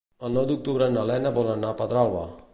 El nou d'octubre na Lena vol anar a Pedralba.